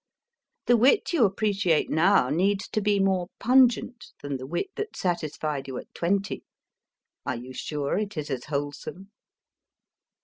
The wit you appreciate now needs to be more pungent than the wit that satisfied you at twenty ; are you sure it is as wholesome